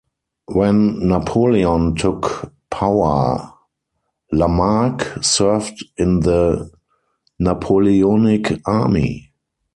When Napoleon took power, Lamarque served in the Napoleonic army.